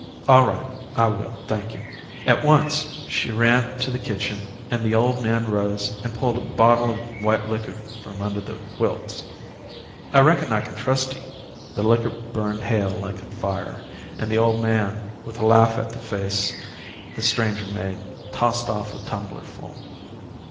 "All right, I will, thank you." At once she ran to the kitchen and the old man rose and pulled a bottle of white liquid from under the quilts. "I reckon I can trust ye," he said. The liquor burned Hale like fire, and the old man, with a laugh at the face the stranger made, tossed off a tumblerful.